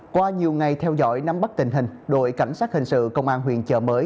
qua nhiều ngày theo dõi nắm bắt tình hình đội cảnh sát hình sự công an huyện chợ mới